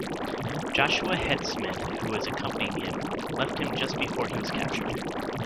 Joshua Hett Smith, who was accompanying him, left him just before he was captured.